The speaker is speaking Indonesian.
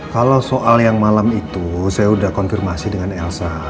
kalau soal yang malam itu saya sudah konfirmasi dengan elsa